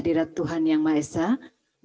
jika tuhan kemasai pun